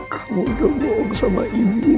kamu udah bohong sama ibu